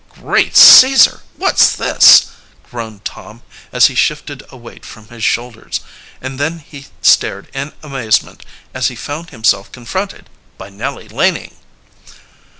"Great Caesar! what's this?" groaned Tom as he shifted a weight from his shoulders, and then he stared in amazement as he found himself confronted by Nellie Laning!